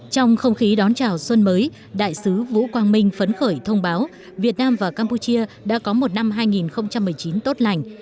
trong không khí đón chào xuân mới đại sứ vũ quang minh phấn khởi thông báo việt nam và campuchia đã có một năm hai nghìn một mươi chín tốt lành